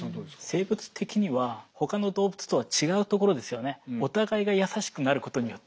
生物的にはほかの動物とは違うところですよね。